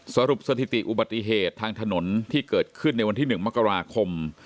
สถิติอุบัติเหตุทางถนนที่เกิดขึ้นในวันที่๑มกราคม